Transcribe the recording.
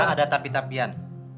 gak ada tapi tapian